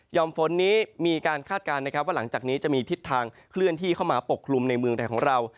ฝนนี้มีการคาดการณ์นะครับว่าหลังจากนี้จะมีทิศทางเคลื่อนที่เข้ามาปกคลุมในเมืองไทยของเรา